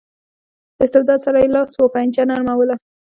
له استبداد سره یې لاس و پنجه نرموله.